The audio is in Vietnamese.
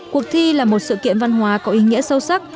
cuộc thi là một sự kiện văn hóa có ý nghĩa sâu sắc